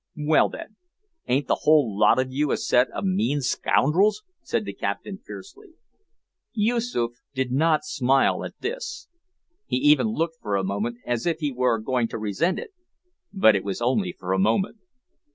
"Well, then, ain't the whole lot of you a set of mean scoundrels?" said the captain fiercely. Yoosoof did not smile at this; he even looked for a moment as if he were going to resent it, but it was only for a moment.